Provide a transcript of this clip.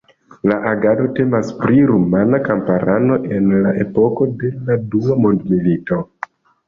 La agado temas pri rumana kamparano en la epoko de la Dua Mondmilito.